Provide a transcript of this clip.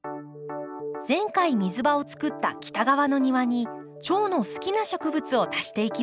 前回水場を作った北側の庭にチョウの好きな植物を足していきます。